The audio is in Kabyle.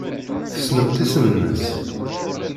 Tessnemt isem-nnes?